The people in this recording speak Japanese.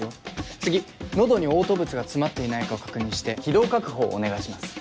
次喉に嘔吐物が詰まっていないかを確認して気道確保をお願いします。